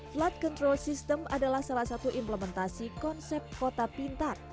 flood control system adalah salah satu implementasi konsep kota pintar